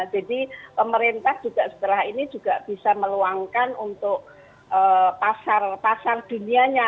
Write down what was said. jadi pemerintah juga setelah ini juga bisa meluangkan untuk pasar dunia